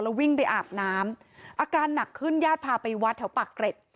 วิ่งไปอาบน้ำอาการหนักขึ้นญาติพาไปวัดแถวปากเกร็ด